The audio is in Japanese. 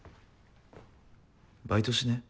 バイトしねぇ？